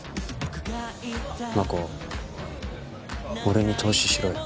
まこ俺に投資しろよ。